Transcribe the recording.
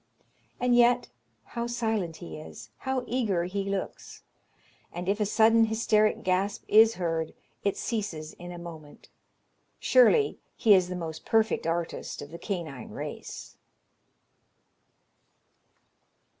And yet, how silent he is! how eager he looks! and if a sudden hysteric gasp is heard, it ceases in a moment. Surely he is the most perfect artist of the canine race."